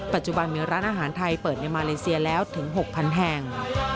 ปัจจุบันมีร้านอาหารไทยเปิดในมาเลเซียแล้วถึง๖๐๐๐แห่ง